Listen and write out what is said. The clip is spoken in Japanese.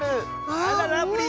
あらラブリー。